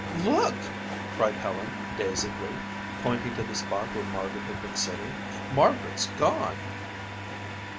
"Look," cried Helen dazedly, pointing to the spot where Margaret had been sitting, "Margaret's gone!"